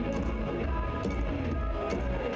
สวัสดีครับ